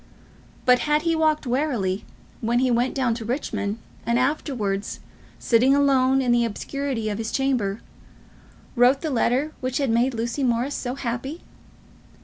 But had he walked warily when he went down to Richmond, and afterwards, sitting alone in the obscurity of his chamber, wrote the letter which had made Lucy Morris so happy?